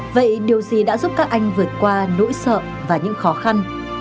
vậy điều gì đã giúp các anh vượt qua nỗi sợ và những khó khăn